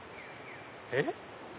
えっ？